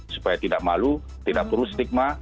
supaya tidak malu tidak perlu stigma